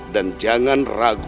dan jangan ragu ragu